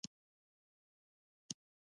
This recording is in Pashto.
څنګه کولی شم د کمپیوټر سرعت ډېر کړم